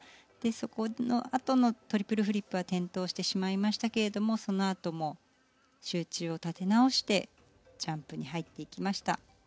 そのあとのトリプルフリップは転倒してしまいましたけれどもそのあとも集中を立て直してジャンプに入っていきました。